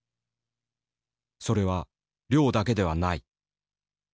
それは量だけではない」。